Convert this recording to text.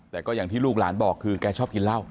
แต่ก็อย่างที่ลูกหลานบอกคือแกชอบกินเหล้า